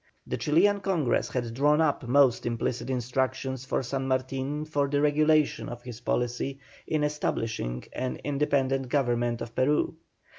The Chilian Congress had drawn up most implicit instructions for San Martin for the regulation of his policy in establishing an independent Government in Peru.